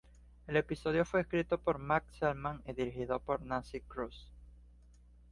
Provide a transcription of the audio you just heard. El episodio fue escrito por Matt Selman y dirigido por Nancy Kruse.